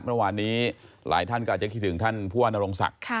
เมื่อวานนี้หลายท่านก็อาจจะคิดถึงท่านผู้ว่านรงศักดิ์